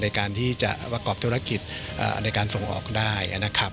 ในการที่จะประกอบธุรกิจในการส่งออกได้นะครับ